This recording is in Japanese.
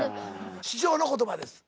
師匠の言葉です。